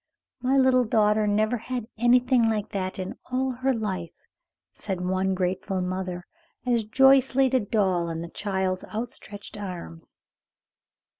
"My little daughter never had anything like that in all her life," said one grateful mother as Joyce laid a doll in the child's outstretched arms.